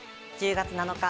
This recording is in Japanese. １０月７日